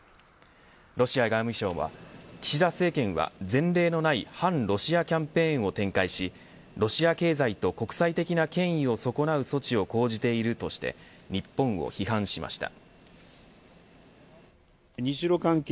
ロシア外務省は岸田政権は前例のない反ロシアキャンペーンを展開しロシア経済と国際的な権威を損なう措置を講じているとして日本を批判しました。